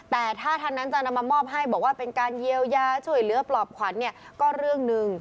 แต่ถ้าท่านนั้นจะนำมามอบให้บอกว่าเป็นการเยียวยาช่วยเหลือปลอบขวัญเนี่ยก็เรื่องหนึ่ง